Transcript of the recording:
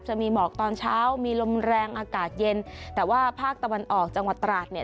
จะมีหมอกตอนเช้ามีลมแรงอากาศเย็นแต่ว่าภาคตะวันออกจังหวัดตราดเนี่ย